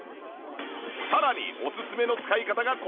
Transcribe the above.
さらにオススメの使い方がこちら。